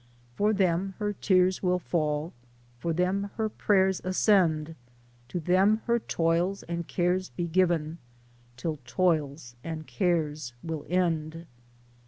For them her tears will fall, For them her prayers ascend ; To them her toils and cares be given, Till toils and cares will end.